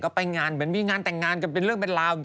ก็ไปงานเหมือนมีงานแต่งงานกันเป็นเรื่องเป็นราว